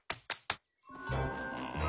うん。